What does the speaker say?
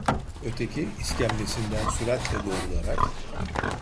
Öteki, iskemlesinden süratle doğrularak: